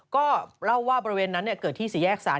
ก็เล่าว่าบริเวณนั้นเกิดที่สี่แยกสาร